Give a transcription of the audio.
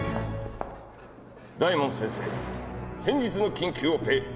大門先生先日の緊急オペ